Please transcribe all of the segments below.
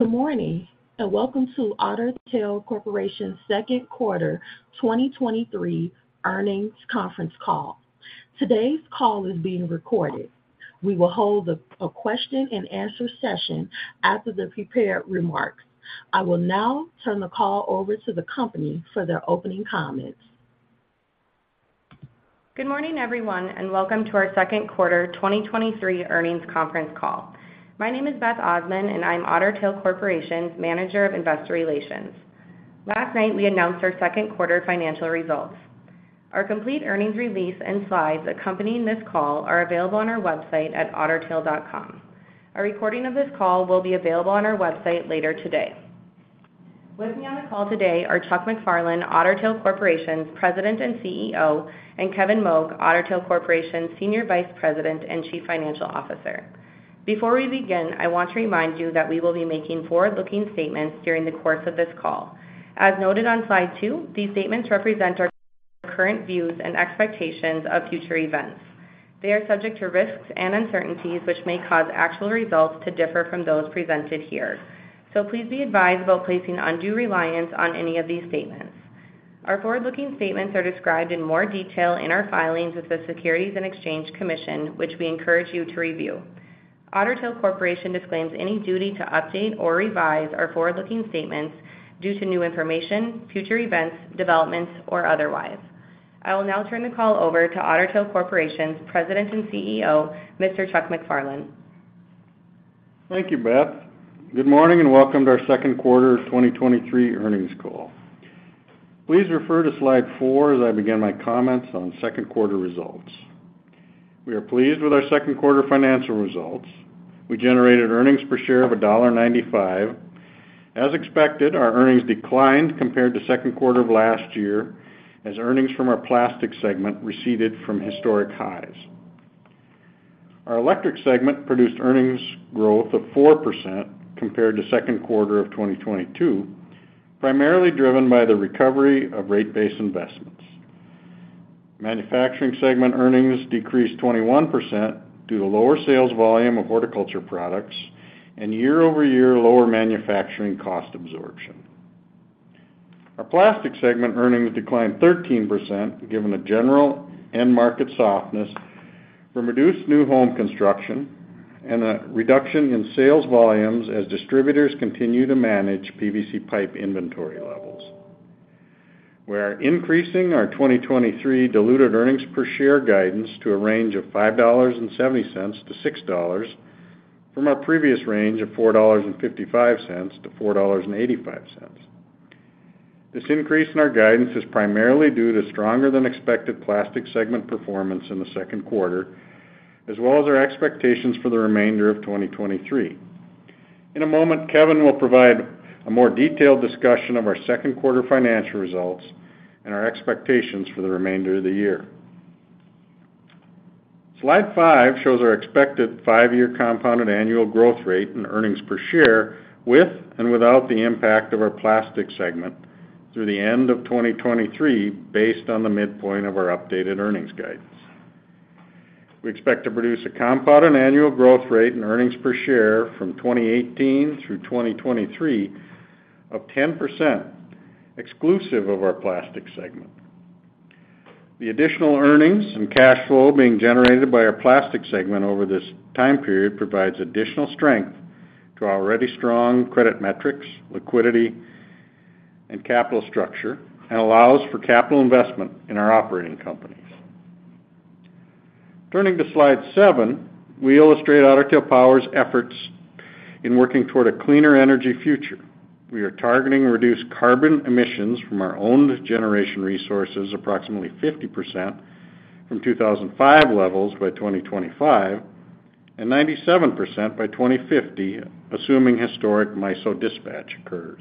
Good morning, and welcome to Otter Tail Corporation's second quarter 2023 earnings conference call. Today's call is being recorded. We will hold a question and answer session after the prepared remarks. I will now turn the call over to the company for their opening comments. Good morning, everyone, and welcome to our second quarter 2023 earnings conference call. My name is Beth Osman, and I'm Otter Tail Corporation's Manager of Investor Relations. Last night, we announced our second quarter financial results. Our complete earnings release and slides accompanying this call are available on our website at ottertail.com. A recording of this call will be available on our website later today. With me on the call today are Chuck MacFarlane, Otter Tail Corporation's President and CEO, and Kevin Moug, Otter Tail Corporation's Senior Vice President and Chief Financial Officer. Before we begin, I want to remind you that we will be making forward-looking statements during the course of this call. As noted on slide two, these statements represent our current views and expectations of future events. They are subject to risks and uncertainties, which may cause actual results to differ from those presented here. Please be advised about placing undue reliance on any of these statements. Our forward-looking statements are described in more detail in our filings with the Securities and Exchange Commission, which we encourage you to review. Otter Tail Corporation disclaims any duty to update or revise our forward-looking statements due to new information, future events, developments, or otherwise. I will now turn the call over to Otter Tail Corporation's President and CEO, Mr. Chuck MacFarlane. Thank you, Beth. Good morning, and welcome to our second quarter 2023 earnings call. Please refer to slide four as I begin my comments on second quarter results. We are pleased with our second quarter financial results. We generated earnings per share of $1.95. As expected, our earnings declined compared to second quarter of last year, as earnings from our plastic segment receded from historic highs. Our electric segment produced earnings growth of 4% compared to second quarter of 2022, primarily driven by the recovery of rate-based investments. Manufacturing segment earnings decreased 21% due to lower sales volume of horticulture products and year-over-year lower manufacturing cost absorption. Our plastic segment earnings declined 13%, given the general end market softness from reduced new home construction and a reduction in sales volumes as distributors continue to manage PVC pipe inventory levels. We are increasing our 2023 diluted earnings per share guidance to a range of $5.70-$6, from our previous range of $4.55-$4.85. This increase in our guidance is primarily due to stronger than expected plastic segment performance in the second quarter, as well as our expectations for the remainder of 2023. In a moment, Kevin will provide a more detailed discussion of our second quarter financial results and our expectations for the remainder of the year. Slide five shows our expected 5-year compounded annual growth rate and earnings per share, with and without the impact of our plastic segment, through the end of 2023, based on the midpoint of our updated earnings guidance. We expect to produce a compounded annual growth rate and earnings per share from 2018 through 2023 of 10%, exclusive of our plastic segment. The additional earnings and cash flow being generated by our plastic segment over this time period provides additional strength to our already strong credit metrics, liquidity, and capital structure, and allows for capital investment in our operating companies. Turning to slide seven, we illustrate Otter Tail Power's efforts in working toward a cleaner energy future. We are targeting reduced carbon emissions from our owned generation resources, approximately 50% from 2005 levels by 2025, and 97% by 2050, assuming historic MISO dispatch occurs.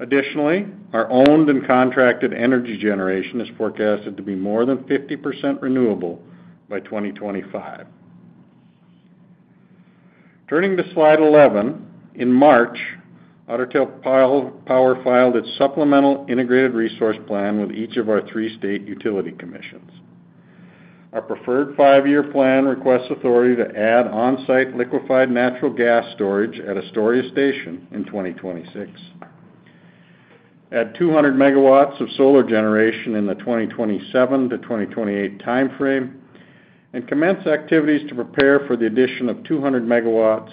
Additionally, our owned and contracted energy generation is forecasted to be more than 50% renewable by 2025. Turning to slide 11. In March, Otter Tail Power filed its supplemental integrated resource plan with each of our three state utility commissions. Our preferred five-year plan requests authority to add on-site liquefied natural gas storage at Astoria Station in 2026, add 200 megawatts of solar generation in the 2027-2028 time frame, and commence activities to prepare for the addition of 200 megawatts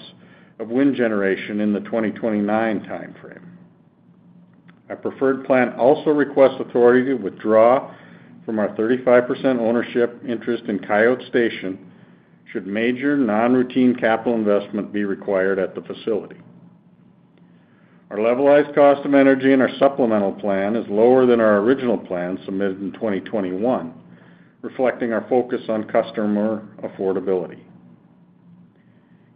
of wind generation in the 2029 time frame. Our preferred plan also requests authority to withdraw from our 35% ownership interest in Coyote Station, should major non-routine capital investment be required at the facility. Our levelized cost of energy in our supplemental plan is lower than our original plan submitted in 2021, reflecting our focus on customer affordability.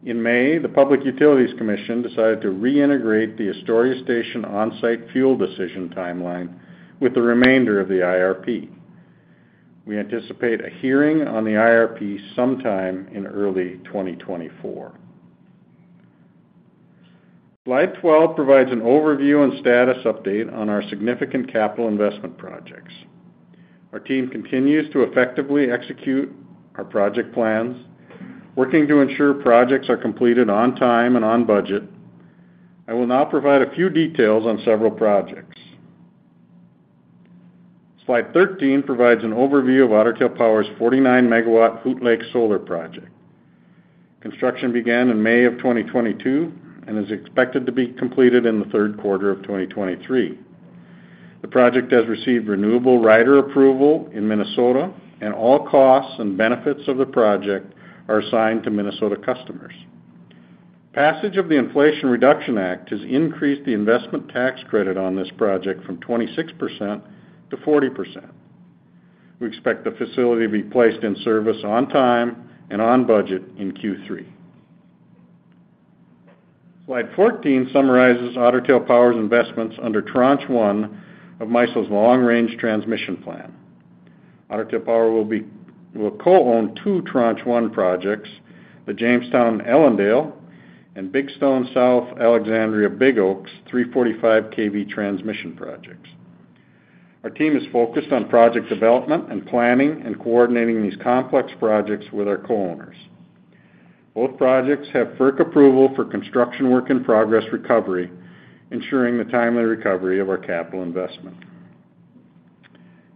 In May, the Public Utilities Commission decided to reintegrate the Astoria Station on-site fuel decision timeline with the remainder of the IRP. We anticipate a hearing on the IRP sometime in early 2024. Slide 12 provides an overview and status update on our significant capital investment projects. Our team continues to effectively execute our project plans, working to ensure projects are completed on time and on budget. I will now provide a few details on several projects. Slide 13 provides an overview of Otter Tail Power's 49 megawatt Hoot Lake Solar Project. Construction began in May of 2022, and is expected to be completed in the third quarter of 2023. The project has received renewable rider approval in Minnesota, and all costs and benefits of the project are assigned to Minnesota customers. Passage of the Inflation Reduction Act has increased the investment tax credit on this project from 26%-40%. We expect the facility to be placed in service on time and on budget in Q3. Slide 14 summarizes Otter Tail Power's investments under Tranche 1 of MISO's Long-Range Transmission Plan. Otter Tail Power will co-own 2 Tranche 1 projects, the Jamestown-Ellendale and Big Stone South/Alexandria-Big Oaks 345 kV transmission projects. Our team is focused on project development and planning, coordinating these complex projects with our co-owners. Both projects have FERC approval for construction work in progress recovery, ensuring the timely recovery of our capital investment.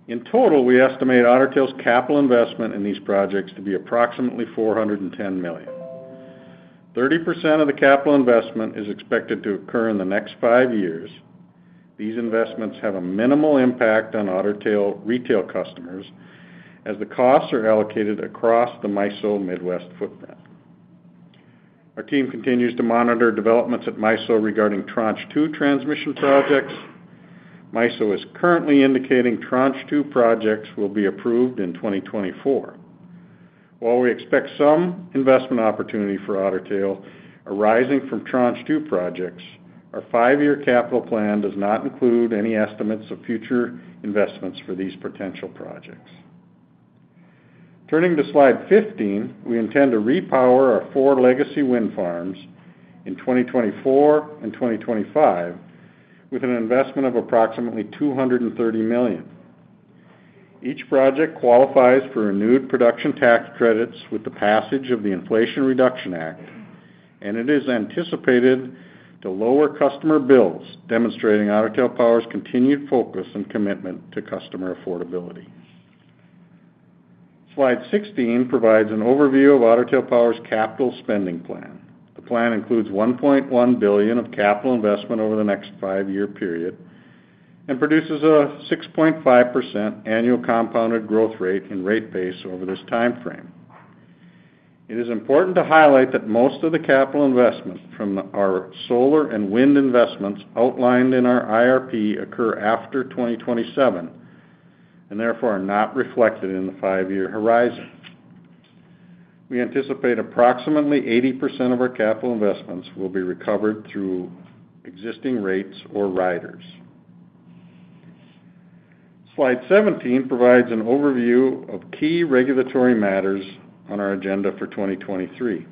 In total, we estimate Otter Tail's capital investment in these projects to be approximately $410 million. 30% of the capital investment is expected to occur in the next 5 years. These investments have a minimal impact on Otter Tail retail customers, as the costs are allocated across the MISO Midwest footprint. Our team continues to monitor developments at MISO regarding Tranche 2 transmission projects. MISO is currently indicating Tranche 2 projects will be approved in 2024. While we expect some investment opportunity for Otter Tail arising from Tranche 2 projects, our five-year capital plan does not include any estimates of future investments for these potential projects. Turning to slide 15, we intend to repower our four legacy wind farms in 2024 and 2025, with an investment of approximately $230 million. Each project qualifies for renewed production tax credits with the passage of the Inflation Reduction Act, and it is anticipated to lower customer bills, demonstrating Otter Tail Power's continued focus and commitment to customer affordability. Slide 16 provides an overview of Otter Tail Power's capital spending plan. The plan includes $1.1 billion of capital investment over the next five-year period, and produces a 6.5% annual compounded growth rate and rate base over this timeframe. It is important to highlight that most of the capital investments from our solar and wind investments outlined in our IRP occur after 2027, and therefore, are not reflected in the five-year horizon. We anticipate approximately 80% of our capital investments will be recovered through existing rates or riders. Slide 17 provides an overview of key regulatory matters on our agenda for 2023.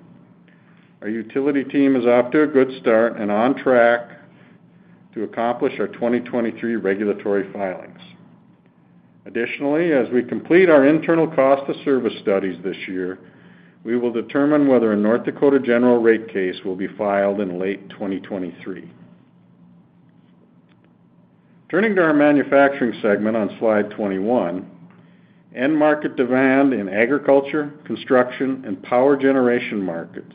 Our utility team is off to a good start and on track to accomplish our 2023 regulatory filings. Additionally, as we complete our internal cost of service studies this year, we will determine whether a North Dakota general rate case will be filed in late 2023. Turning to our manufacturing segment on slide 21, end market demand in agriculture, construction, and power generation markets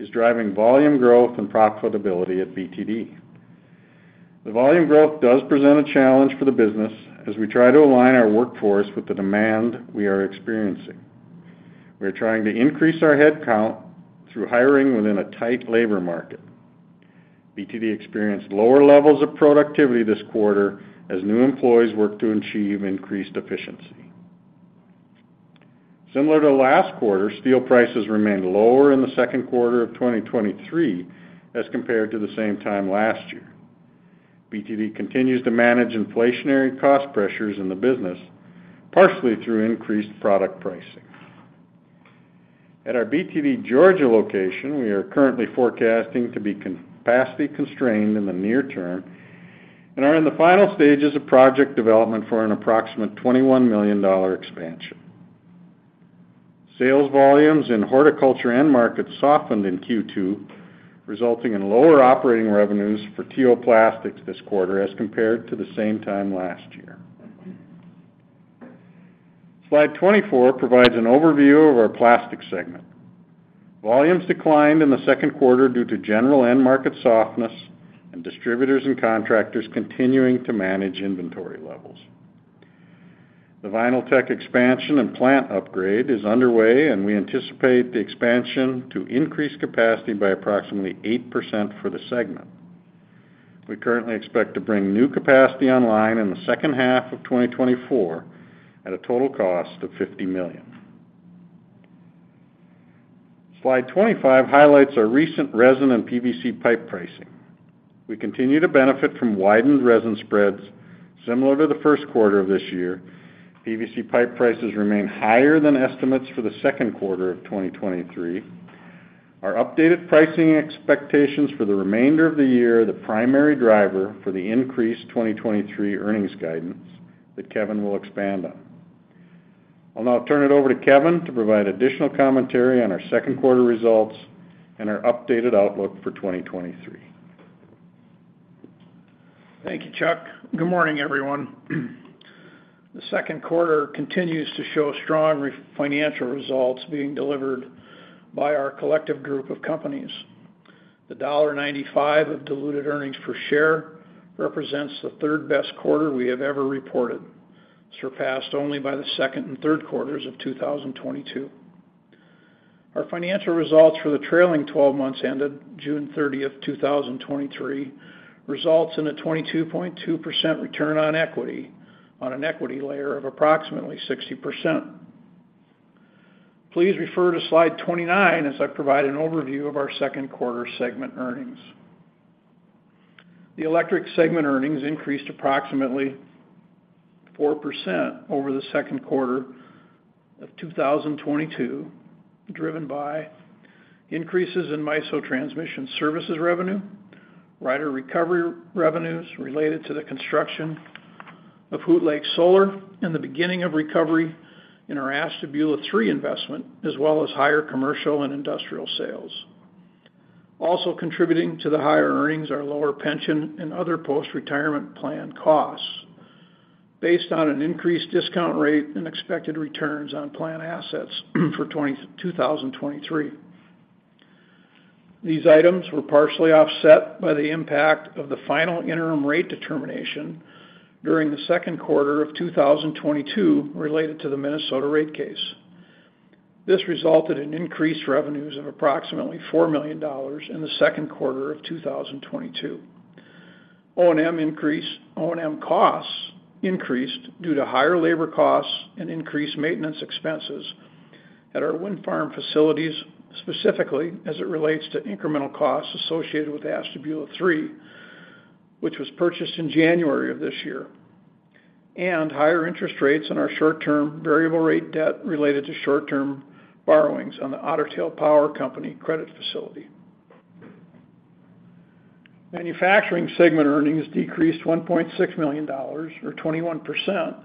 is driving volume growth and profitability at BTD. The volume growth does present a challenge for the business, as we try to align our workforce with the demand we are experiencing. We are trying to increase our headcount through hiring within a tight labor market. BTD experienced lower levels of productivity this quarter as new employees worked to achieve increased efficiency. Similar to last quarter, steel prices remained lower in the second quarter of 2023 as compared to the same time last year. BTD continues to manage inflationary cost pressures in the business, partially through increased product pricing. At our BTD Georgia location, we are currently forecasting to be capacity constrained in the near term, and are in the final stages of project development for an approximate $21 million expansion. Sales volumes in horticulture end markets softened in Q2, resulting in lower operating revenues for T.O. Plastics this quarter as compared to the same time last year. Slide 24 provides an overview of our plastics segment. Volumes declined in the second quarter due to general end market softness, and distributors and contractors continuing to manage inventory levels. The Vinyltech expansion and plant upgrade is underway, and we anticipate the expansion to increase capacity by approximately 8% for the segment. We currently expect to bring new capacity online in the second half of 2024, at a total cost of $50 million. Slide 25 highlights our recent resin and PVC pipe pricing. We continue to benefit from widened resin spreads, similar to the first quarter of this year. PVC pipe prices remain higher than estimates for the second quarter of 2023.... Our updated pricing expectations for the remainder of the year are the primary driver for the increased 2023 earnings guidance that Kevin will expand on. I'll now turn it over to Kevin to provide additional commentary on our second quarter results and our updated outlook for 2023. Thank you, Chuck. Good morning, everyone. The second quarter continues to show strong financial results being delivered by our collective group of companies. The $1.95 of diluted earnings per share represents the third-best quarter we have ever reported, surpassed only by the second and third quarters of 2022. Our financial results for the trailing 12 months ended June 30, 2023, results in a 22.2% return on equity on an equity layer of approximately 60%. Please refer to slide 29 as I provide an overview of our second quarter segment earnings. The electric segment earnings increased approximately 4% over the second quarter of 2022, driven by increases in MISO transmission services revenue, rider recovery revenues related to the construction of Hoot Lake Solar, and the beginning of recovery in our Ashtabula Three investment, as well as higher commercial and industrial sales. Also contributing to the higher earnings are lower pension and other post-retirement plan costs based on an increased discount rate and expected returns on plan assets for 2023. These items were partially offset by the impact of the final interim rate determination during the second quarter of 2022 related to the Minnesota rate case. This resulted in increased revenues of approximately $4 million in the second quarter of 2022. O&M costs increased due to higher labor costs and increased maintenance expenses at our wind farm facilities, specifically as it relates to incremental costs associated with Ashtabula Three, which was purchased in January of this year, and higher interest rates on our short-term variable rate debt related to short-term borrowings on the Otter Tail Power Company credit facility. Manufacturing segment earnings decreased $1.6 million or 21%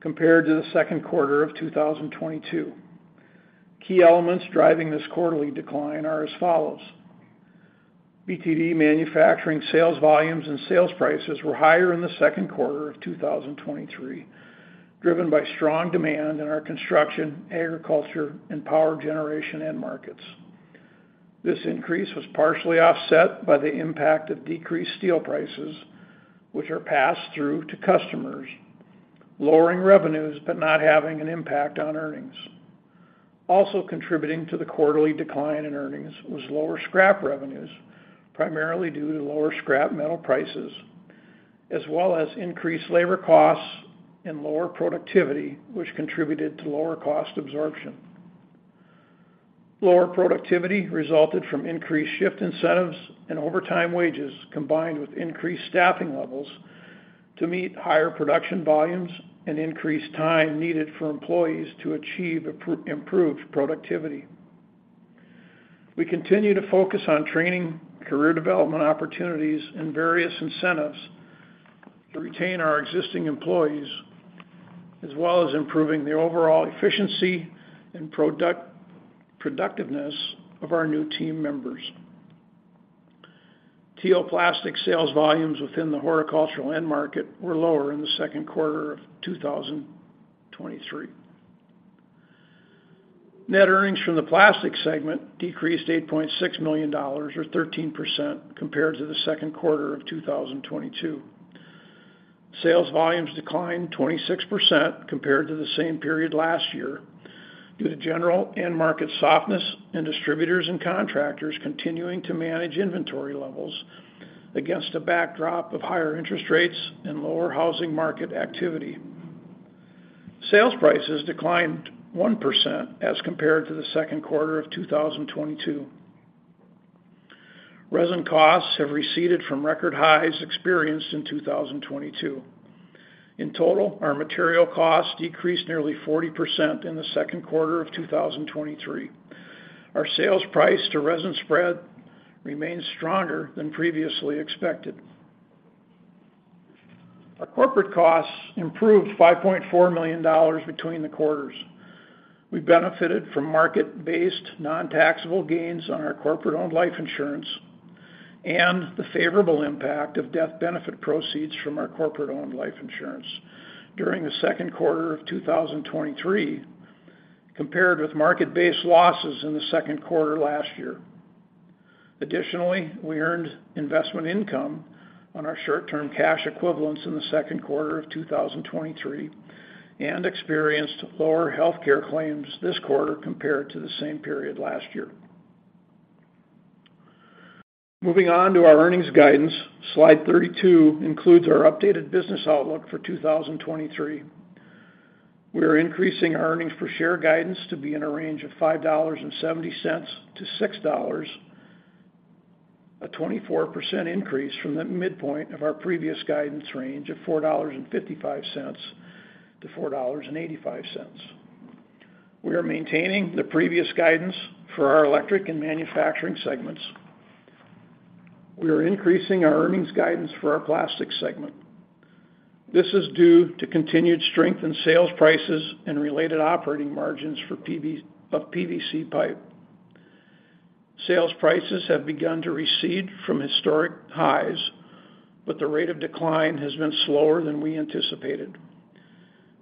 compared to the second quarter of 2022. Key elements driving this quarterly decline are as follows: BTD Manufacturing sales volumes and sales prices were higher in the second quarter of 2023, driven by strong demand in our construction, agriculture, and power generation end markets. This increase was partially offset by the impact of decreased steel prices, which are passed through to customers, lowering revenues, but not having an impact on earnings. Also contributing to the quarterly decline in earnings was lower scrap revenues, primarily due to lower scrap metal prices, as well as increased labor costs and lower productivity, which contributed to lower cost absorption. Lower productivity resulted from increased shift incentives and overtime wages, combined with increased staffing levels to meet higher production volumes and increased time needed for employees to achieve improved productivity. We continue to focus on training, career development opportunities, and various incentives to retain our existing employees, as well as improving the overall efficiency and productiveness of our new team members. T.O. Plastics sales volumes within the horticultural end market were lower in the second quarter of 2023. Net earnings from the plastic segment decreased $8.6 million or 13% compared to the second quarter of 2022. Sales volumes declined 26% compared to the same period last year due to general end market softness and distributors and contractors continuing to manage inventory levels against a backdrop of higher interest rates and lower housing market activity. Sales prices declined 1% as compared to the second quarter of 2022. Resin costs have receded from record highs experienced in 2022. In total, our material costs decreased nearly 40% in the second quarter of 2023. Our sales price to resin spread remains stronger than previously expected. Our corporate costs improved $5.4 million between the quarters. We benefited from market-based, non-taxable gains on our corporate-owned life insurance and the favorable impact of death benefit proceeds from our corporate-owned life insurance during the second quarter of 2023, compared with market-based losses in the second quarter last year. Additionally, we earned investment income on our short-term cash equivalents in the second quarter of 2023 and experienced lower healthcare claims this quarter compared to the same period last year. Moving on to our earnings guidance, slide 32 includes our updated business outlook for 2023. We are increasing our earnings per share guidance to be in a range of $5.70-$6.00. A 24% increase from the midpoint of our previous guidance range of $4.55-$4.85. We are maintaining the previous guidance for our electric and manufacturing segments. We are increasing our earnings guidance for our plastic segment. This is due to continued strength in sales prices and related operating margins for PVC pipe. Sales prices have begun to recede from historic highs, but the rate of decline has been slower than we anticipated.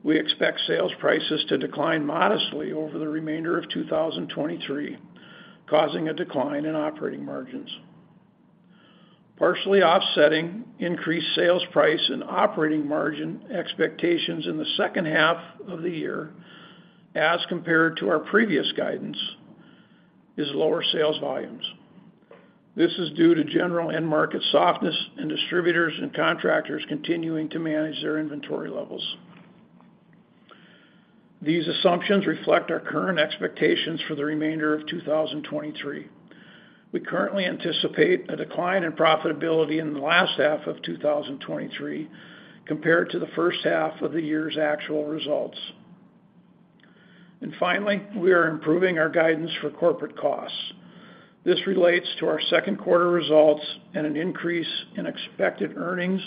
We expect sales prices to decline modestly over the remainder of 2023, causing a decline in operating margins. Partially offsetting increased sales price and operating margin expectations in the second half of the year, as compared to our previous guidance, is lower sales volumes. This is due to general end market softness and distributors and contractors continuing to manage their inventory levels. These assumptions reflect our current expectations for the remainder of 2023. We currently anticipate a decline in profitability in the last half of 2023 compared to the first half of the year's actual results. Finally, we are improving our guidance for corporate costs. This relates to our second quarter results and an increase in expected earnings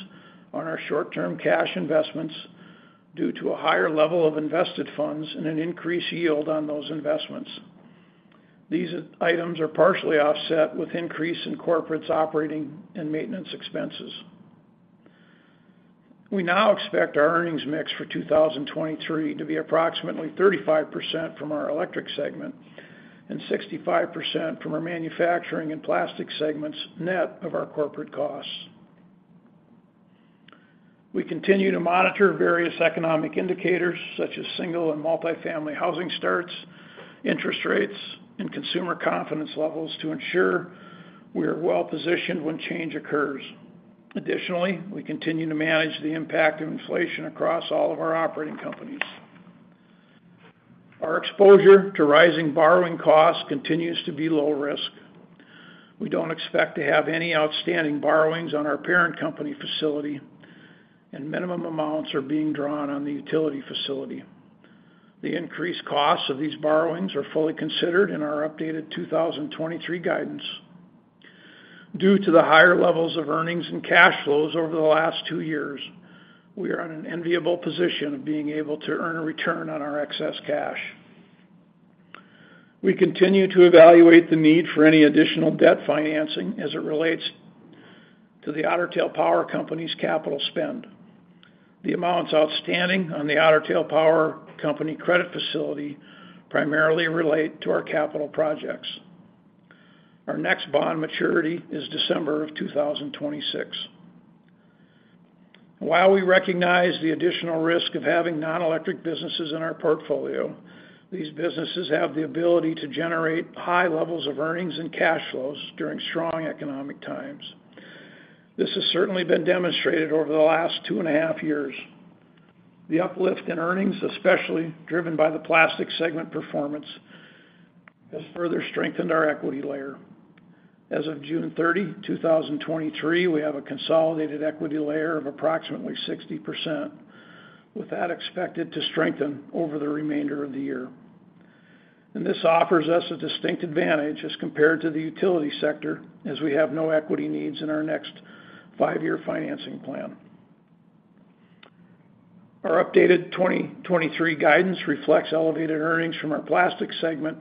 on our short-term cash investments due to a higher level of invested funds and an increased yield on those investments. These items are partially offset with increase in corporate's operating and maintenance expenses. We now expect our earnings mix for 2023 to be approximately 35% from our electric segment and 65% from our manufacturing and plastic segments, net of our corporate costs. We continue to monitor various economic indicators, such as single and multifamily housing starts, interest rates, and consumer confidence levels, to ensure we are well-positioned when change occurs. We continue to manage the impact of inflation across all of our operating companies. Our exposure to rising borrowing costs continues to be low risk. We don't expect to have any outstanding borrowings on our parent company facility, and minimum amounts are being drawn on the utility facility. The increased costs of these borrowings are fully considered in our updated 2023 guidance. Due to the higher levels of earnings and cash flows over the last 2 years, we are in an enviable position of being able to earn a return on our excess cash. We continue to evaluate the need for any additional debt financing as it relates to the Otter Tail Power Company's capital spend. The amounts outstanding on the Otter Tail Power Company credit facility primarily relate to our capital projects. Our next bond maturity is December of 2026. While we recognize the additional risk of having non-electric businesses in our portfolio, these businesses have the ability to generate high levels of earnings and cash flows during strong economic times. This has certainly been demonstrated over the last 2.5 years. The uplift in earnings, especially driven by the plastic segment performance, has further strengthened our equity layer. As of June 30, 2023, we have a consolidated equity layer of approximately 60%, with that expected to strengthen over the remainder of the year. This offers us a distinct advantage as compared to the utility sector, as we have no equity needs in our next 5-year financing plan. Our updated 2023 guidance reflects elevated earnings from our plastics segment,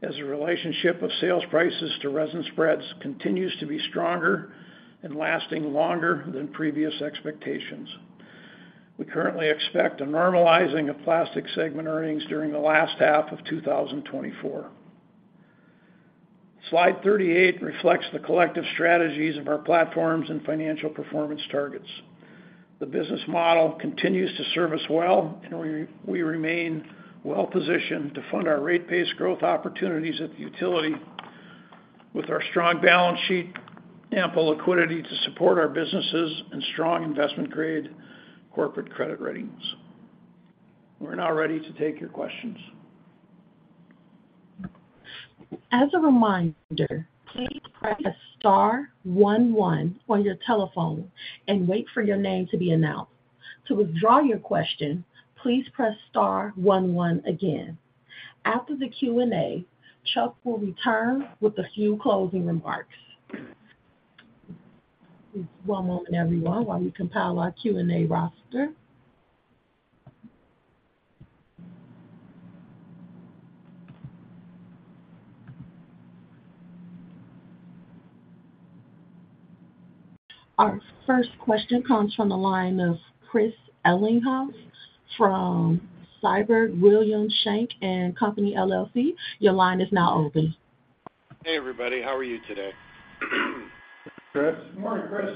as the relationship of sales prices to resin spreads continues to be stronger and lasting longer than previous expectations. We currently expect a normalizing of plastic segment earnings during the last half of 2024. Slide 38 reflects the collective strategies of our platforms and financial performance targets. The business model continues to serve us well, and we remain well-positioned to fund our rate-based growth opportunities at the utility with our strong balance sheet, ample liquidity to support our businesses, and strong investment-grade corporate credit ratings. We're now ready to take your questions. As a reminder, please press star one one on your telephone and wait for your name to be announced. To withdraw your question, please press star one one again. After the Q&A, Chuck will return with a few closing remarks. One moment, everyone, while we compile our Q&A roster. Our first question comes from the line of Chris Ellinghaus from Siebert Williams Shank & Co., LLC. Your line is now open. Hey, everybody. How are you today? Chris. Good morning, Chris.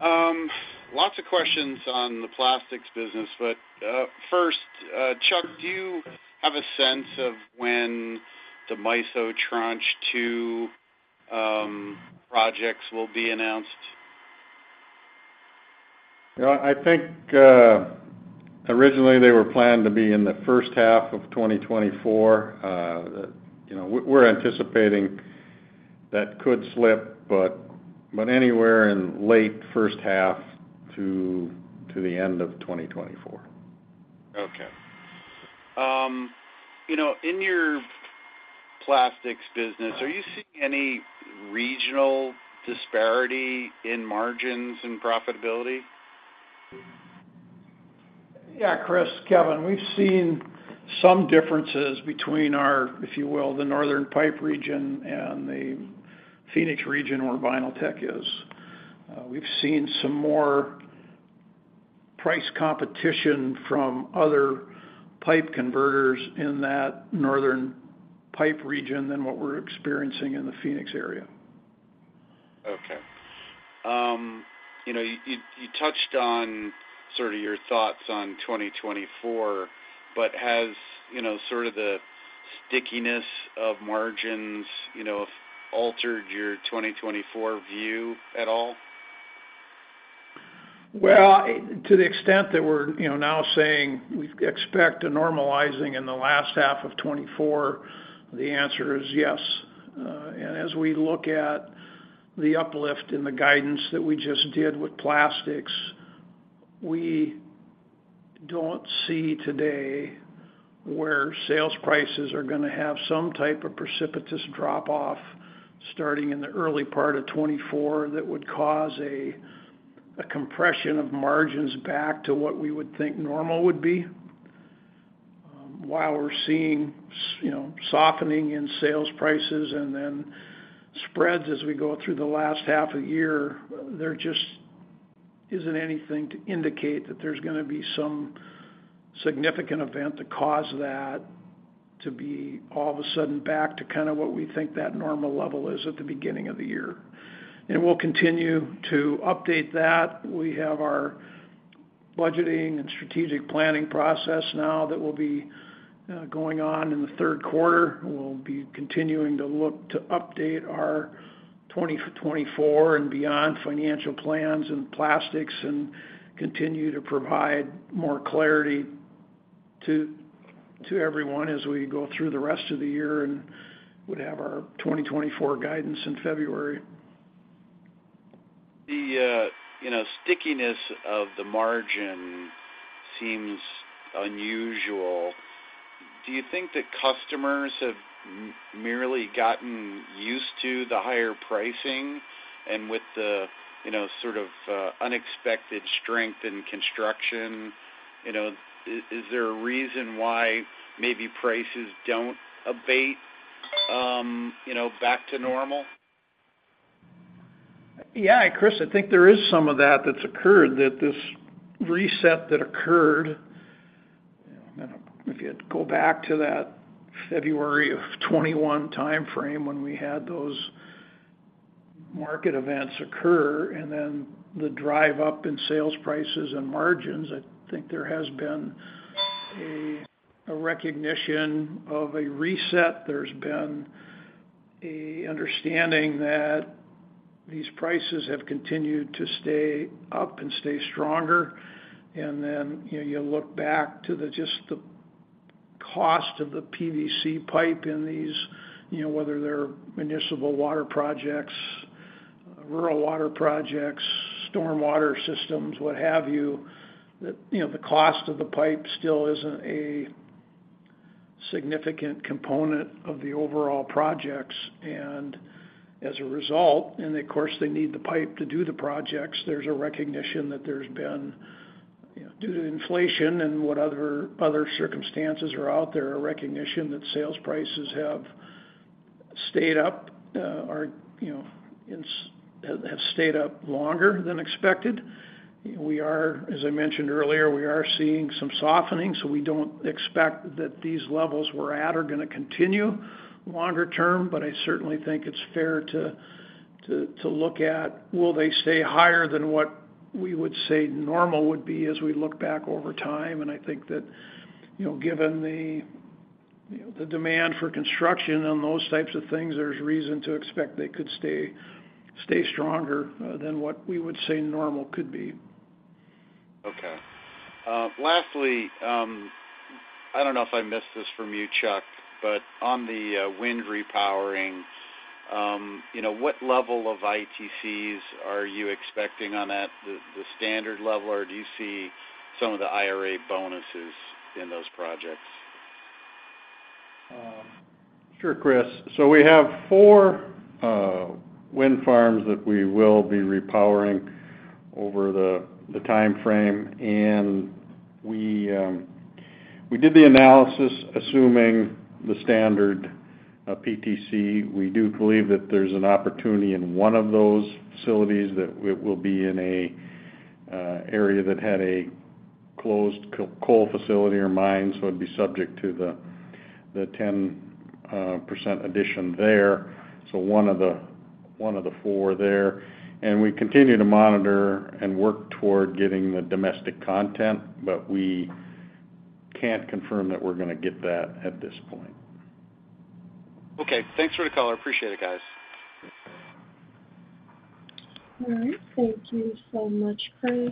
Lots of questions on the plastics business, but, first, Chuck, do you have a sense of when the MISO Tranche 2 projects will be announced? Yeah, I think, originally they were planned to be in the first half of 2024. That, you know, we're, we're anticipating that could slip, but, but anywhere in late first half to, to the end of 2024. Okay. You know, in your plastics business, are you seeing any regional disparity in margins and profitability? Yeah, Chris, Kevin. We've seen some differences between our, if you will, the northern pipe region and the Phoenix region, where Vinyltech Corporation is. We've seen some more price competition from other pipe converters in that northern pipe region than what we're experiencing in the Phoenix area. Okay. You know, you, you touched on sort of your thoughts on 2024, but has, you know, sort of the stickiness of margins, you know, altered your 2024 view at all? Well, to the extent that we're, you know, now saying we expect a normalizing in the last half of 2024, the answer is yes. And as we look at the uplift in the guidance that we just did with plastics, we don't see today where sales prices are gonna have some type of precipitous drop-off, starting in the early part of 2024, that would cause a compression of margins back to what we would think normal would be. While we're seeing you know, softening in sales prices and then spreads as we go through the last half of the year, there just isn't anything to indicate that there's gonna be some significant event to cause that to be all of a sudden back to kind of what we think that normal level is at the beginning of the year. We'll continue to update that. We have our budgeting and strategic planning process now, that will be going on in the third quarter. We'll be continuing to look to update our 2024 and beyond financial plans in plastics, and continue to provide more clarity to, to everyone as we go through the rest of the year, and would have our 2024 guidance in February. The, you know, stickiness of the margin seems unusual. Do you think that customers have merely gotten used to the higher pricing and with the, you know, sort of, unexpected strength in construction, you know, is, is there a reason why maybe prices don't abate, you know, back to normal? Yeah, Chris, I think there is some of that that's occurred, that this reset that occurred, you know, if you had to go back to that February of 2021 timeframe when we had those market events occur, and then the drive up in sales prices and margins, I think there has been a, a recognition of a reset. There's been a understanding that these prices have continued to stay up and stay stronger. Then, you know, you look back to the-- just the cost of the PVC pipe in these, you know, whether they're municipal water projects, rural water projects, storm water systems, what have you, the, you know, the cost of the pipe still isn't a significant component of the overall projects. As a result, and of course, they need the pipe to do the projects, there's a recognition that there's been, you know, due to inflation and what other, other circumstances are out there, a recognition that sales prices have stayed up, or, you know, have, have stayed up longer than expected. We are, as I mentioned earlier, we are seeing some softening, so we don't expect that these levels we're at are gonna continue longer term. I certainly think it's fair to, to, to look at, will they stay higher than what we would say normal would be as we look back over time? I think that, you know, given the, you know, the demand for construction and those types of things, there's reason to expect they could stay, stay stronger, than what we would say normal could be. Okay. Lastly, I don't know if I missed this from you, Chuck, but on the wind repowering, you know, what level of ITCs are you expecting on that? The standard level, or do you see some of the IRA bonuses in those projects? Sure, Chris. We have four wind farms that we will be repowering over the timeframe, and we did the analysis assuming the standard PTC. We do believe that there's an opportunity in one of those facilities that it will be in a area that had a closed coal facility or mine, so it'd be subject to the 10% addition there. One of the four there. We continue to monitor and work toward getting the domestic content, but we can't confirm that we're gonna get that at this point. Okay, thanks for the call. I appreciate it, guys. All right. Thank you so much, Chris.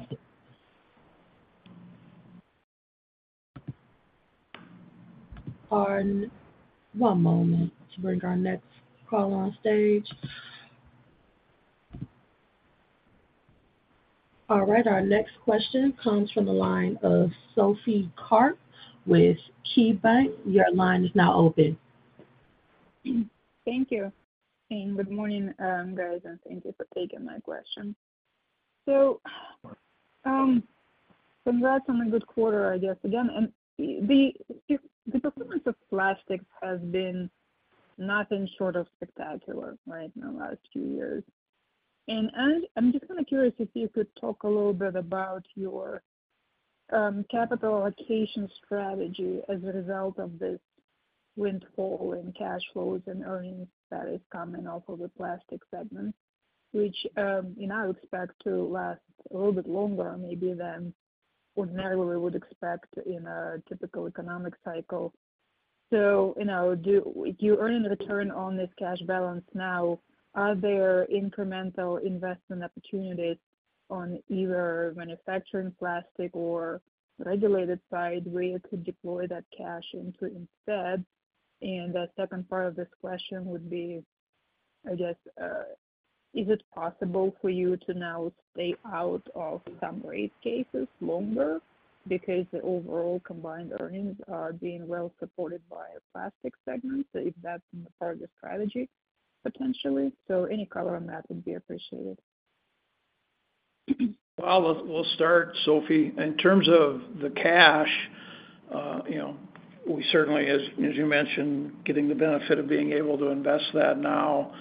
One moment to bring our next caller on stage. All right, our next question comes from the line of Sophie Karp with KeyBanc. Your line is now open. Thank you, and good morning, guys, and thank you for taking my question. Congrats on a good quarter, I guess again. The, the, the performance of Plastics has been nothing short of spectacular, right, in the last few years. I, I'm just kind of curious if you could talk a little bit about your capital allocation strategy as a result of this windfall in cash flows and earnings that is coming off of the Plastics segment, which, and I expect to last a little bit longer maybe than ordinarily we would expect in a typical economic cycle. You know, do, do you earn a return on this cash balance now? Are there incremental investment opportunities on either manufacturing plastic or regulated side where you could deploy that cash into instead? The second part of this question would be, I guess, is it possible for you to now stay out of some rate cases longer because the overall combined earnings are being well supported by a Plastics segment? If that's part of the strategy, potentially. Any color on that would be appreciated. We'll, we'll start, Sophie. In terms of the cash, you know, we certainly, as, as you mentioned, getting the benefit of being able to invest that now.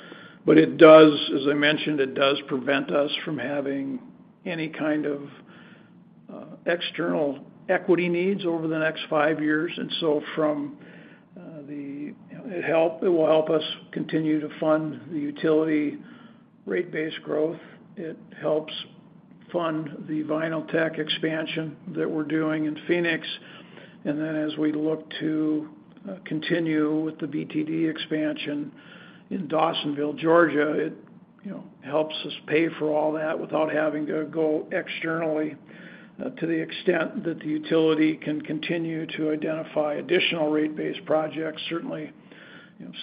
It does, as I mentioned, it does prevent us from having any kind of external equity needs over the next five years. From it help, it will help us continue to fund the utility rate base growth. It helps fund the Vinyltech expansion that we're doing in Phoenix. As we look to continue with the BTD expansion in Dawsonville, Georgia, it, you know, helps us pay for all that without having to go externally to the extent that the utility can continue to identify additional rate-based projects, certainly,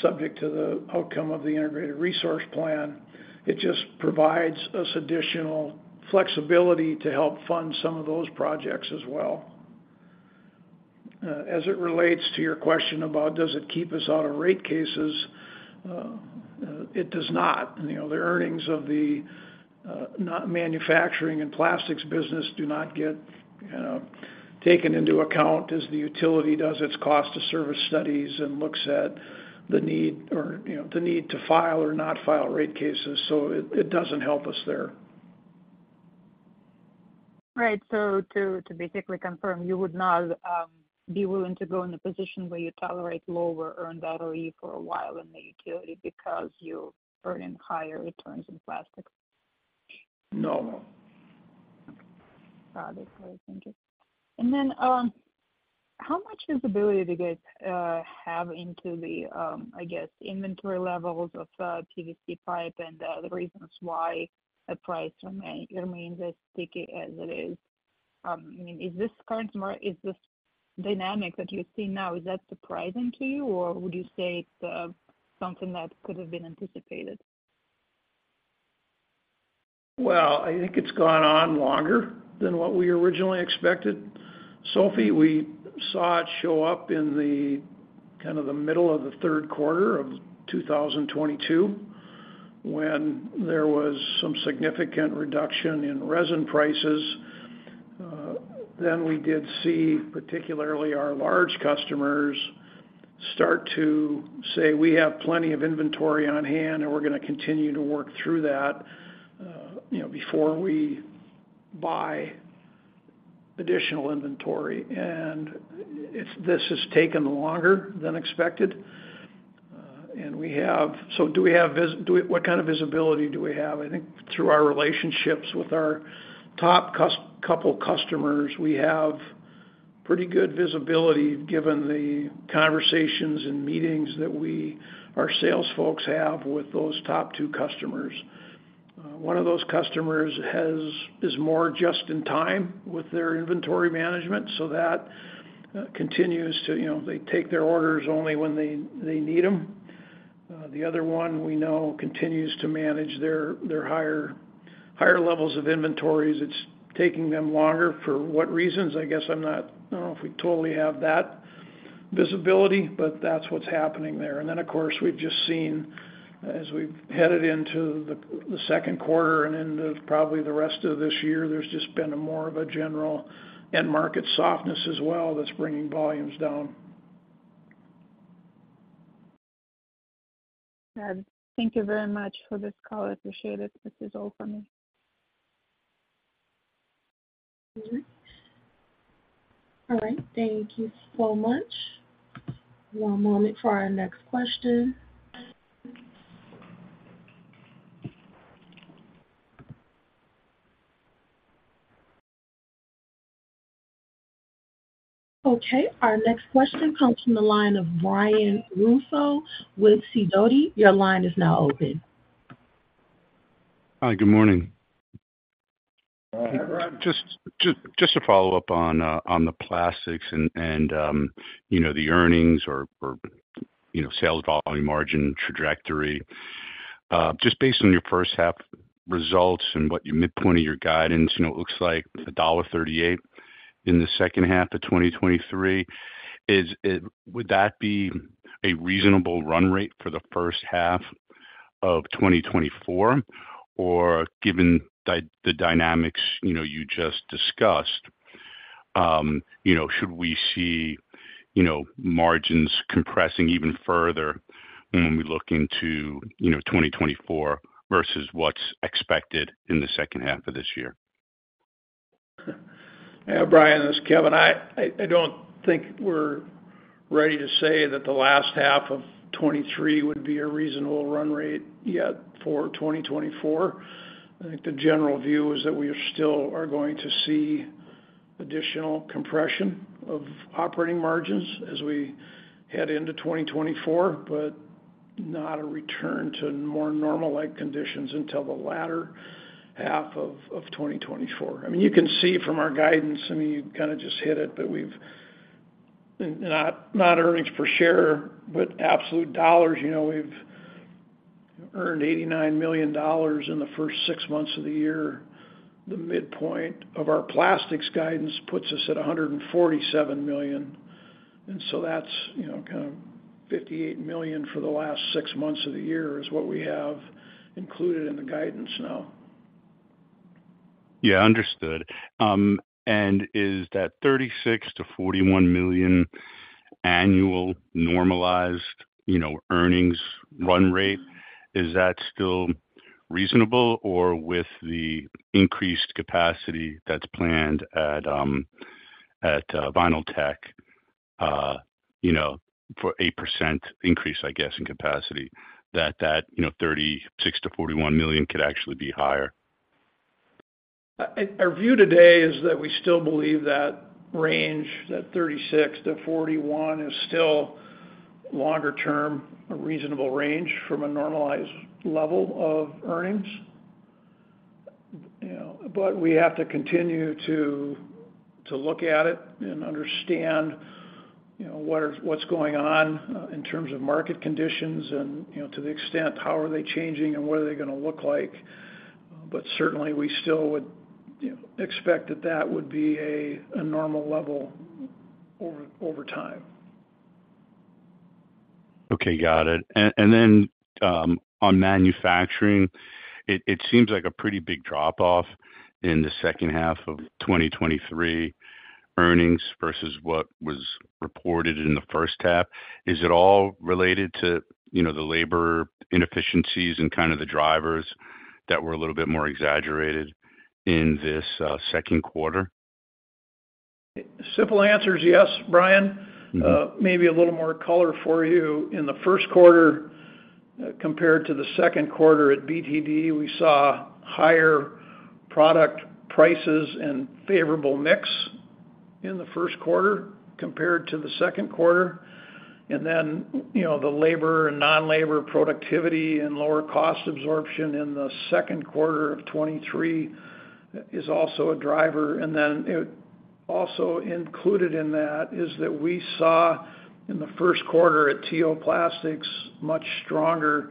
subject to the outcome of the integrated resource plan. It just provides us additional flexibility to help fund some of those projects as well. As it relates to your question about does it keep us out of rate cases? It does not. You know, the earnings of the, not manufacturing and plastics business do not get, you know, taken into account as the utility does its cost of service studies and looks at the need or, you know, the need to file or not file rate cases, so it, it doesn't help us there. Right. to, to basically confirm, you would not be willing to go in a position where you tolerate lower earned ROE for a while in the utility because you're earning higher returns in plastics? No. Got it. Thank you. How much visibility do you guys have into the, I guess, inventory levels of PVC pipe and the reasons why the price remain, remains as sticky as it is? I mean, is this current market, is this dynamic that you're seeing now, is that surprising to you, or would you say it's something that could have been anticipated? Well, I think it's gone on longer than what we originally expected. Sophie, we saw it show up in the kind of the middle of the third quarter of 2022, when there was some significant reduction in resin prices. Then we did see, particularly our large customers, start to say: We have plenty of inventory on hand, and we're going to continue to work through that, you know, before we buy additional inventory. This has taken longer than expected, and so do we have what kind of visibility do we have? I think through our relationships with our top couple customers, we have pretty good visibility given the conversations and meetings that we, our sales folks have with those top two customers. One of those customers has, is more just in time with their inventory management, so that continues to, you know, they take their orders only when they, they need them. The other one we know continues to manage their, their higher, higher levels of inventories. It's taking them longer for what reasons? I guess I'm not-- I don't know if we totally have that visibility, but that's what's happening there. Then, of course, we've just seen as we've headed into the, the second quarter and into probably the rest of this year, there's just been a more of a general end market softness as well, that's bringing volumes down. Good. Thank you very much for this call. I appreciate it. This is all for me. All right. Thank you so much. One moment for our next question. Okay, our next question comes from the line of Brian Russo with Sidoti. Your line is now open. Hi, good morning. Just to follow up on the plastics and, you know, the earnings or, you know, sales volume margin trajectory. Just based on your first half results and what your midpoint of your guidance, you know, it looks like $1.38 in the second half of 2023, would that be a reasonable run rate for the first half of 2024? Given the dynamics, you know, you just discussed, you know, should we see, you know, margins compressing even further when we look into, you know, 2024 versus what's expected in the second half of this year? Yeah, Brian, this is Kevin. I don't think we're ready to say that the last half of 2023 would be a reasonable run rate yet for 2024. I think the general view is that we are still are going to see additional compression of operating margins as we head into 2024, but not a return to more normal-like conditions until the latter half of 2024. I mean, you can see from our guidance, I mean, you kind of just hit it, but we've not, not earnings per share, but absolute dollars. You know, we've earned $89 million in the first six months of the year. The midpoint of our plastics guidance puts us at $147 million, so that's, you know, kind of $58 million for the last six months of the year, is what we have included in the guidance now. Yeah, understood. Is that $36 million-$41 million annual normalized, you know, earnings run rate, is that still reasonable? With the increased capacity that's planned at Vinyltech Corporation, you know, for 8% increase, I guess, in capacity, that, you know, $36 million-$41 million could actually be higher. Our view today is that we still believe that range, that $36-$41, is still longer term, a reasonable range from a normalized level of earnings. We have to continue to, to look at it and understand, you know, what are-- what's going on in terms of market conditions and, you know, to the extent, how are they changing and what are they gonna look like. Certainly, we still would, you know, expect that that would be a, a normal level over, over time. Okay, got it. On manufacturing, it, it seems like a pretty big drop-off in the second half of 2023 earnings versus what was reported in the first half. Is it all related to, you know, the labor inefficiencies and kind of the drivers that were a little bit more exaggerated in this second quarter? Simple answer is yes, Brian. Mm-hmm. Maybe a little more color for you. In the first quarter, compared to the second quarter at BTD, we saw higher product prices and favorable mix in the first quarter compared to the second quarter. You know, the labor and non-labor productivity and lower cost absorption in the second quarter of 2023 is also a driver. It also included in that, is that we saw in the first quarter at T.O. Plastics, much stronger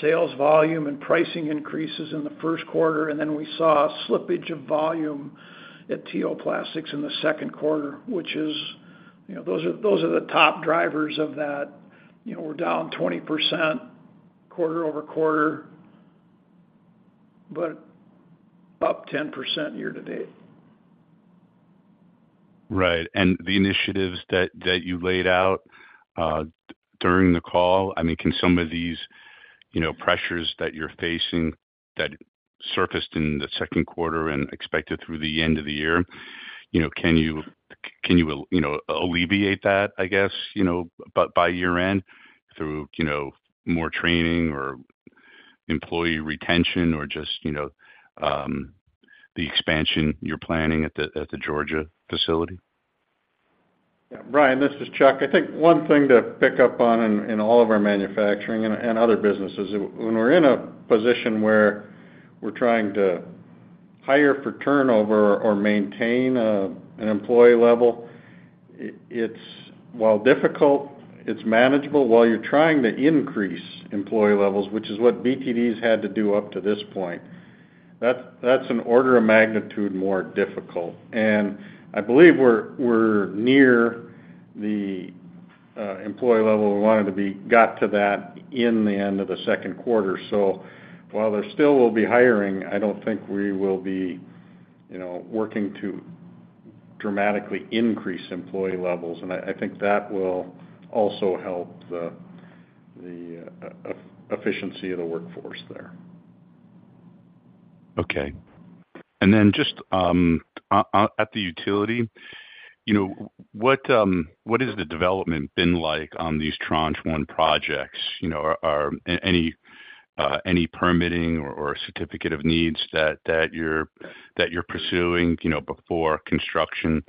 sales volume and pricing increases in the first quarter. We saw a slippage of volume at T.O. Plastics in the second quarter, which is... You know, those are, those are the top drivers of that. You know, we're down 20% quarter-over-quarter, but up 10% year-to-date. Right. The initiatives that, that you laid out, during the call, I mean, can some of these, you know, pressures that you're facing that surfaced in the second quarter and expected through the end of the year, you know, can you, can you, you know, alleviate that, I guess, you know, by, by year-end through, you know, more training or employee retention or just, you know, the expansion you're planning at the, at the Georgia facility? Yeah, Brian, this is Chuck. I think one thing to pick up on in, in all of our manufacturing and, and other businesses, when we're in a position where we're trying to hire for turnover or maintain an employee level, it, it's while difficult, it's manageable. While you're trying to increase employee levels, which is what BTD's had to do up to this point, that's, that's an order of magnitude more difficult. I believe we're, we're near the employee level we wanted to be. Got to that in the end of the second quarter. While there still will be hiring, I don't think we will be, you know, working to dramatically increase employee levels. I, I think that will also help the efficiency of the workforce there. Okay. Then just, at, at, at the utility, you know, what, what has the development been like on these Tranche 1 projects? You know, are, are any permitting or, or certificate of need that, that you're, that you're pursuing, you know, before construction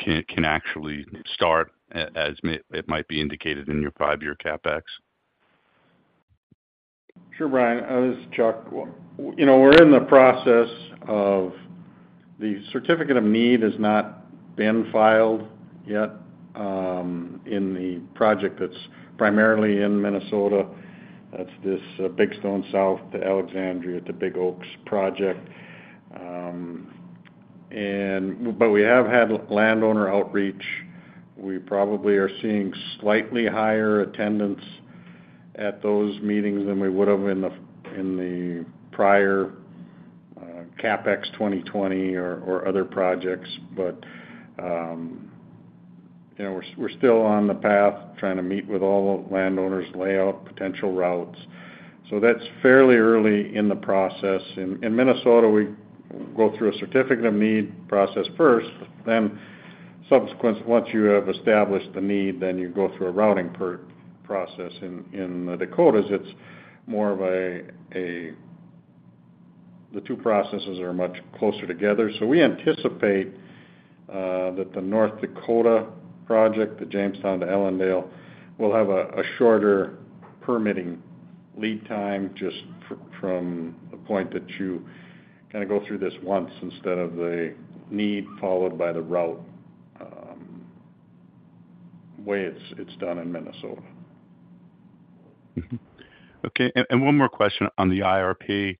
can, can actually start as it, it might be indicated in your 5-year CapEx? Sure, Brian, this is Chuck. Well, you know, we're in the process. The certificate of need has not been filed yet in the project that's primarily in Minnesota. That's this, Big Stone South to Alexandria, the Big Oaks project. We have had landowner outreach. We probably are seeing slightly higher attendance at those meetings than we would have in the, in the prior, CapEx 2020 or, or other projects. You know, we're, we're still on the path, trying to meet with all the landowners, lay out potential routes. That's fairly early in the process. In, in Minnesota, we go through a certificate of need process first, then subsequent, once you have established the need, then you go through a routing per process. In, in the Dakotas, it's more of the two processes are much closer together. We anticipate that the North Dakota project, the Jamestown to Ellendale, will have a shorter permitting lead time, just from the point that you kind of go through this once instead of the need, followed by the route, way it's done in Minnesota. Okay, one more question on the IRP.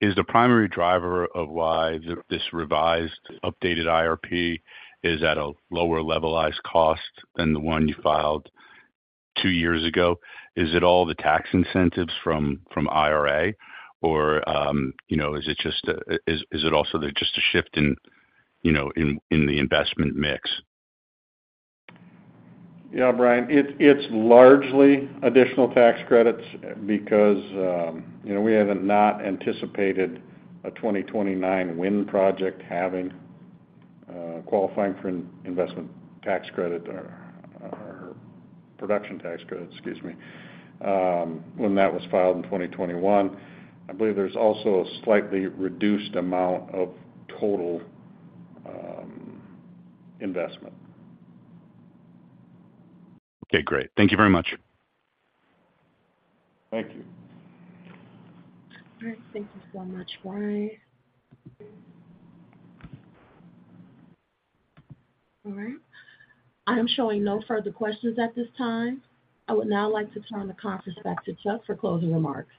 Is the primary driver of why this revised, updated IRP is at a lower levelized cost than the one you filed 2 years ago? Is it all the tax incentives from, from IRA or, you know, is it also the just a shift in, you know, in, in the investment mix? Yeah, Brian, it's, it's largely additional tax credits because, you know, we have not anticipated a 2029 wind project having qualifying for an investment tax credit or, or production tax credit, excuse me, when that was filed in 2021. I believe there's also a slightly reduced amount of total investment. Okay, great. Thank you very much. Thank you. All right. Thank you so much, Brian. All right. I am showing no further questions at this time. I would now like to turn the conference back to Chuck for closing remarks.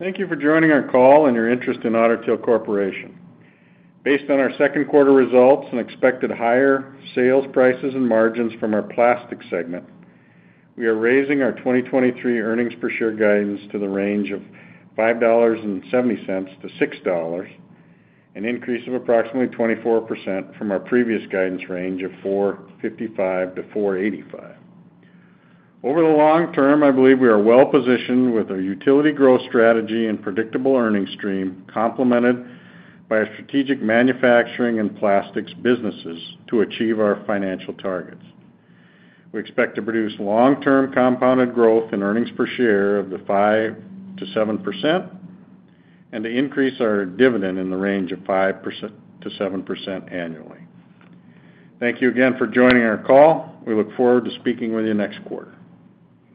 Thank you for joining our call and your interest in Otter Tail Corporation. Based on our second quarter results and expected higher sales prices and margins from our plastics segment, we are raising our 2023 earnings per share guidance to the range of $5.70-$6.00, an increase of approximately 24% from our previous guidance range of $4.55-$4.85. Over the long term, I believe we are well positioned with our utility growth strategy and predictable earnings stream, complemented by our strategic manufacturing and plastics businesses to achieve our financial targets. We expect to produce long-term compounded growth in earnings per share of the 5%-7%, and to increase our dividend in the range of 5%-7% annually. Thank you again for joining our call. We look forward to speaking with you next quarter.